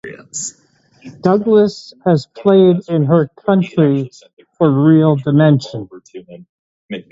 Douglas has played in her country for Real Dimension.